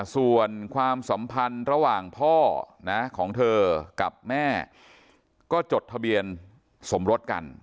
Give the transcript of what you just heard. ส่วนความสัมพันธ์ระหว่างพ่อนะของเธอกับแม่ก็จดทะเบียนสมรสกัน